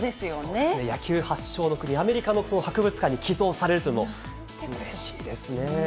そうですよね、野球発祥の国、アメリカの博物館に寄贈されるというのもうれしいですね。